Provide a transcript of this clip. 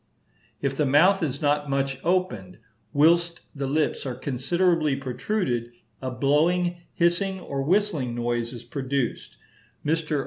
If the mouth is not much opened, whilst the lips are considerably protruded, a blowing, hissing, or whistling noise is produced. Mr.